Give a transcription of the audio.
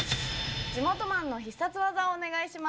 地元マンの必殺技をお願いします。